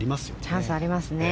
チャンスありますね。